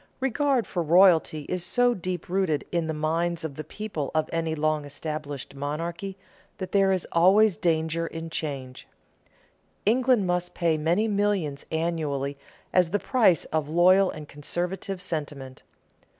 Regard for royalty is so deep rooted in the minds of the people of any long established monarchy that there is always danger in change. England must pay many millions annually as the price of loyal and conservative sentiment.